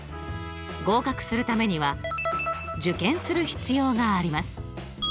合格するためには受験する必要があります。